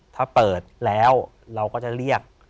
ถ้าเปิดแล้วเราก็จะเรียก